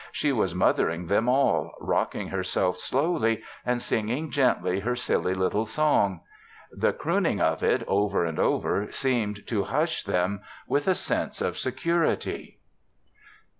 She was mothering them all, rocking herself slowly and singing gently her silly little song. The crooning of it over and over seemed to hush them with a sense of security.